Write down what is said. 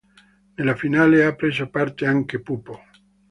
Nella finale ha preso parte anche Pupo.